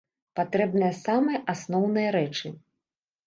Патрэбныя самыя асноўныя рэчы.